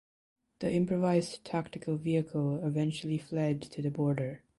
The improvised tactical vehicle eventually fled to the border.